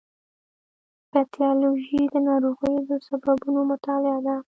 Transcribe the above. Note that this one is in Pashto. پیتالوژي د ناروغیو د سببونو مطالعه ده.